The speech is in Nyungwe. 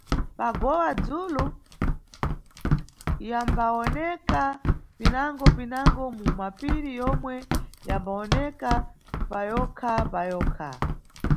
Magowa-dzulu yambawoneka pinango-pinango mu mapiri yomwe yambawoneka payokha-payokha.